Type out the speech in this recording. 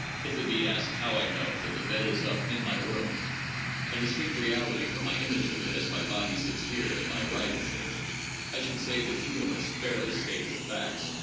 If it be asked how I know that the bed is up in my room, a distinct reality from my image of it as my body sits here at my writing table, I should say that Hume has fairly stated the facts No.